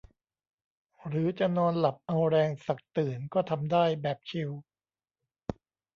หรือจะนอนหลับเอาแรงสักตื่นก็ทำได้แบบชิล